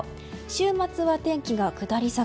週末は天気が下り坂。